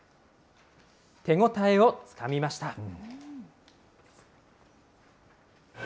手応えをつかみました。